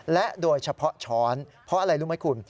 และโดยเฉพาะช้อนเพราะอะไรรู้ไหมคุณ